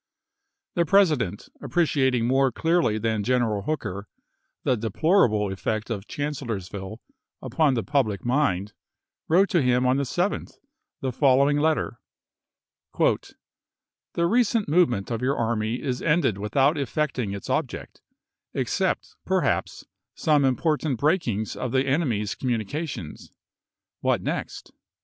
The President, p> *35, appreciating more clearly than General Hooker the deplorable effect of Chancellorsville upon the public mind, wrote to him on the 7th the following letter : "The recent movement of your army is ended without effecting its object, except, perhaps, some important breakings of the enemy's communica tions. What next